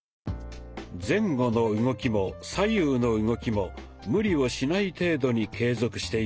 前後の動きも左右の動きも無理をしない程度に継続していきましょう。